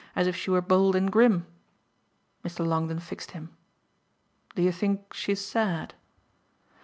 as if she were bold and grim." Mr. Longdon fixed him. "Do you think she's sad?"